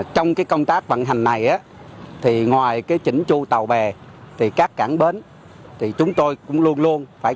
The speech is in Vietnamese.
trong công tác vận hành này ngoài chỉnh chu tàu bè các cảng bến chúng tôi cũng luôn luôn phải